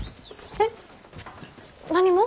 えっ？何も？